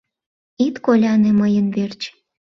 Ит коляне, мыйын верч